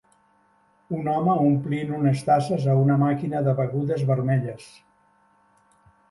Un home omplint unes tasses a una màquina de begudes vermelles